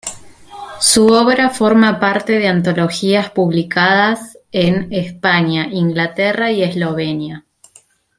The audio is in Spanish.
Su obra forma parte de antologías publicadas en España, Inglaterra y Eslovenia.